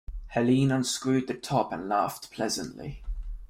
Helene unscrewed the top and laughed pleasantly.